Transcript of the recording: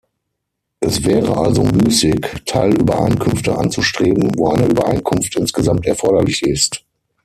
Es wäre also müßig, Teilübereinkünfte anzustreben, wo eine Übereinkunft insgesamt erforderlich ist.